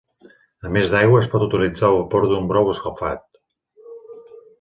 A més d'aigua es pot utilitzar el vapor d'un brou escalfat.